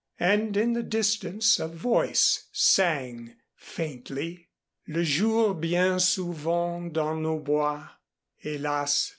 And in the distance a voice sang faintly: Le jour bien souvent dans nos bois Hélas!